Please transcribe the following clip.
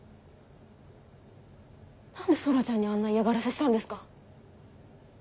何で空ちゃんにあんな嫌がらせしたんですか？